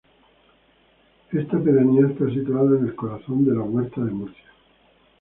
Esta pedanía está situada en el corazón de la Huerta de Murcia.